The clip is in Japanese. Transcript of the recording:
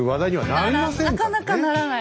なかなかならない。